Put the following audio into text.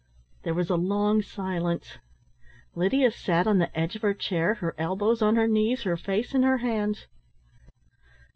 There was a long silence. Lydia sat on the edge of her chair, her elbows on her knees, her face in her hands.